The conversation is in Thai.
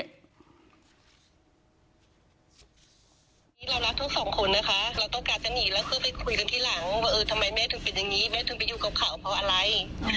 นี่เรารักทั้งสองคนนะคะเราต้องการจะหนีแล้วคือไปคุยกันทีหลังว่าเออทำไมแม่ถึงเป็นอย่างนี้แม่ถึงไปอยู่กับเขาเพราะอะไร